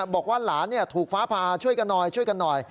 บอกว่าหลานถูกฟ้าผ่าช่วยกันหน่อยช่วยกันหน่อย